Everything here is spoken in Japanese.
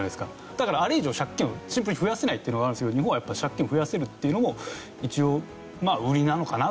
だからあれ以上借金をシンプルに増やせないっていうのがあるんですけど日本はやっぱ借金を増やせるっていうのも一応売りなのかなと思いますね。